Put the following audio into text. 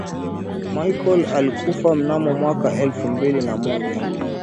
michel alikufa mnamo mwaka elfu mbili na moja